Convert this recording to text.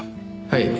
はい。